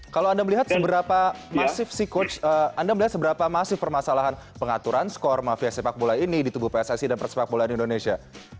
kalau anda melihat seberapa masif sih coach anda melihat seberapa masif permasalahan pengaturan skor mafia sepak bola ini di tubuh pssi dan persepak bola di indonesia